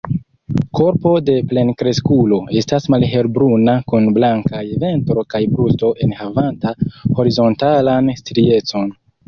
Korpo de plenkreskulo estas malhelbruna kun blankaj ventro kaj brusto enhavanta horizontalan striecon.